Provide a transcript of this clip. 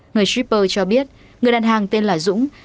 người shipper cho biết người đàn hàng tên là dũng